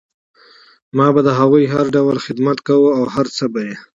ما به د هغو هر ډول خدمت کوه او هر څه به یې